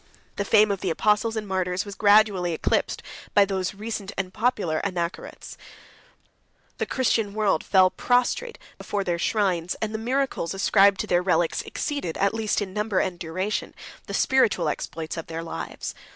The fame of the apostles and martyrs was gradually eclipsed by these recent and popular Anachorets; the Christian world fell prostrate before their shrines; and the miracles ascribed to their relics exceeded, at least in number and duration, the spiritual exploits of their lives.